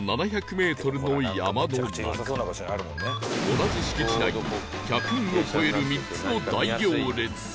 同じ敷地内に１００人を超える３つの大行列